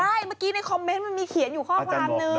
ใช่เมื่อกี้ในคอมเมนต์มันมีเขียนอยู่ข้อความนึง